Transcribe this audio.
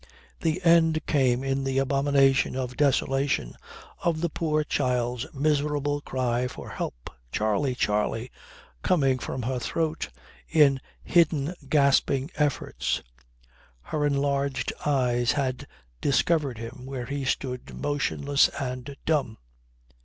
The end came in the abomination of desolation of the poor child's miserable cry for help: "Charley! Charley!" coming from her throat in hidden gasping efforts. Her enlarged eyes had discovered him where he stood motionless and dumb.